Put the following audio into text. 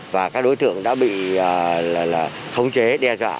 và các đối tượng đã bị khống chế đe dọa